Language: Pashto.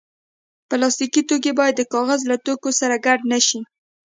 پلاستيکي توکي باید د کاغذ له توکو سره ګډ نه شي.